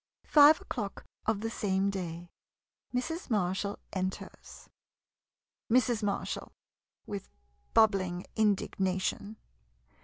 Five o'clock of the same day. Mrs. Mar shall enters. Mrs. Marshall [With bubbling indignation.